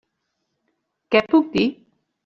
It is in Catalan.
Què puc dir?